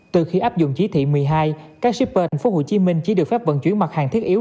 từ khi áp dụng chỉ thị một mươi hai các shippeard tp hcm chỉ được phép vận chuyển mặt hàng thiết yếu